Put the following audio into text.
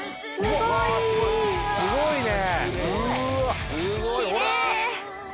すごいね！